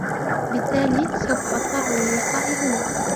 بالتالي ، سوف أضطرُ للقاءِ هنا.